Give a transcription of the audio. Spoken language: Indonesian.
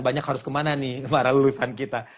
banyak harus kemana nih para lulusan kita